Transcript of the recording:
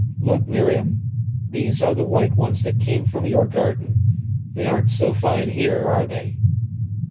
"Look, Miriam; these are the white ones that came from your garden. They aren't so fine here, are they?"